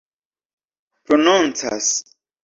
prononcas